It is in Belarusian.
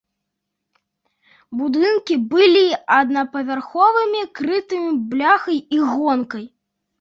Будынкі былі аднапавярховымі, крытымі бляхай і гонкай.